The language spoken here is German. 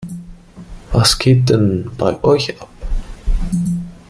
Was geht denn bei euch ab?